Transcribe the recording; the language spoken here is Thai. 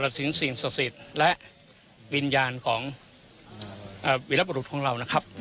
ตลอดสีนสิ่งสศิษย์และบินญานของอ่าและวิรับบรุษของเรานะครับ